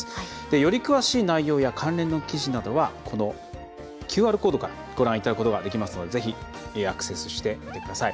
より詳しい内容や関連の記事などはこのＱＲコードからご覧いただくことができますのでぜひ、アクセスしてみてください。